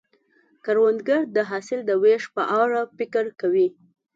کروندګر د حاصل د ویش په اړه فکر کوي